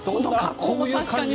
こういう感じ。